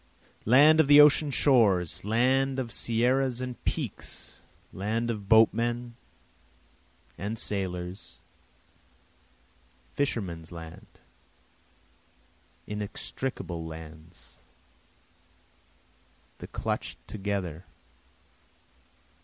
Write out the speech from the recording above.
Land of the ocean shores! land of sierras and peaks! Land of boatmen and sailors! fishermen's land! Inextricable lands! the clutch'd together!